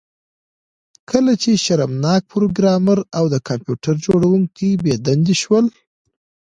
کله چې شرمناک پروګرامر او د کمپیوټر جوړونکی بې دندې شول